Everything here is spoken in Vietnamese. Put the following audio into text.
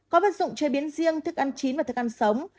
có vật dụng chế biến riêng thức ăn chín và thức ăn sống